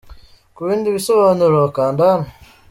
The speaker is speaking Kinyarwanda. Ku bindi bisobanuro, kanda hano :.